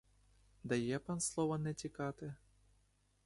Дає пан слово не тікати?